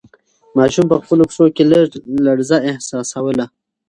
ماشوم په خپلو پښو کې لږه لړزه احساسوله.